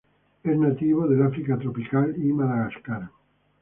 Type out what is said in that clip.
Es nativo del África tropical y Madagascar.